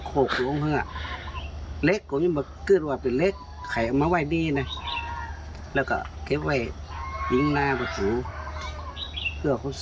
รถเคียงดีมสีดำเอ็กเซล